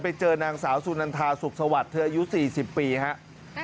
ไปเจอนางสาวสุนันทาสุขสวัสดิ์เธออายุ๔๐ปีครับ